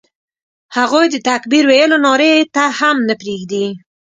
هغوی د تکبیر ویلو نارې ته هم نه پرېږدي.